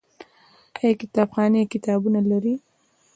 آیا کتابخانې کتابونه لري؟